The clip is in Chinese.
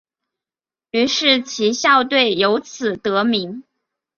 于是其校队由此得名。